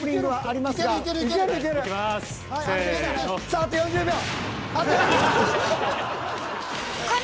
さああと４０秒。